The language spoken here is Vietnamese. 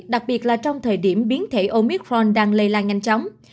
đặc biệt là trong thời điểm biến thể omitforn đang lây lan nhanh chóng